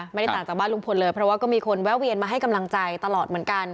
ไม่ได้ต่างจากบ้านลุงพลเลยเพราะว่าก็มีคนแวะเวียนมาให้กำลังใจตลอดเหมือนกัน